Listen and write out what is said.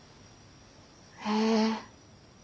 へえ。